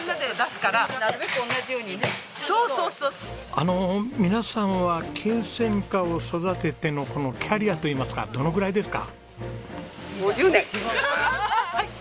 あの皆さんはキンセンカを育ててのキャリアといいますかどのぐらいですか？